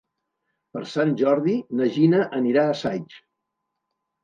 Per Sant Jordi na Gina anirà a Saix.